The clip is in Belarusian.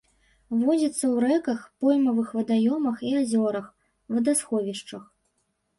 Водзіцца ў рэках, поймавых вадаёмах і азёрах, вадасховішчах.